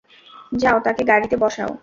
যাও, তাকে গাড়িতে বসাও।